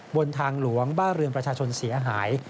บนทางหลวงบ้านเรือนประชาชนเสียหาย